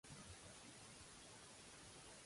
Qui no veu a Déu a l'altar el veu per alta mar.